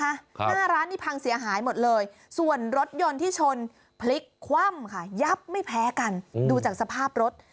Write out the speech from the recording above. หน้าร้านนี่พังเสียหายหมดเลยส่วนรถยนต์ที่ชนพลิกคว่ำค่ะยับไม่แพ้กันดูจากสภาพรถ